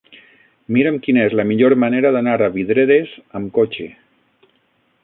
Mira'm quina és la millor manera d'anar a Vidreres amb cotxe.